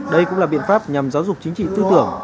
đây cũng là biện pháp nhằm giáo dục chính trị tư tưởng